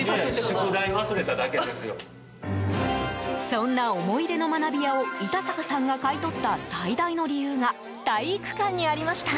そんな思い出の学び舎を板坂さんが買い取った最大の理由が体育館にありました。